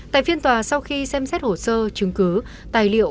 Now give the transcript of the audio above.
tại phiên tòa sau khi xem xét hồ sơ chứng cứ tài liệu